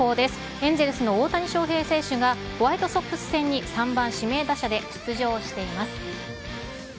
エンゼルスの大谷翔平選手が、ホワイトソックス戦に３番指名打者で出場しています。